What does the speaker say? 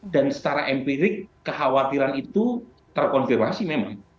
dan secara empirik kekhawatiran itu terkonfirmasi memang